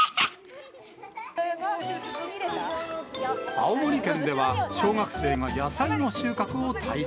青森県では、小学生が野菜の収穫を体験。